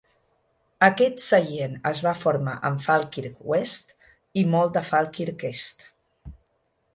Aquest seient es va formar amb Falkirk West i molt de Falkirk East.